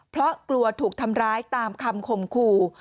เพราะกลัวถูกทำร้ายตามคำคมคู่